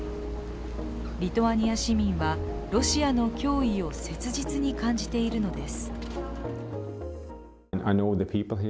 リトアニア市民は、ロシアの脅威を切実に感じているのです。